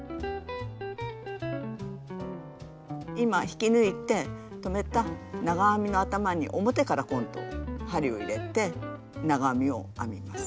今引き抜いて止めた長編みの頭に表から今度針を入れて長編みを編みます。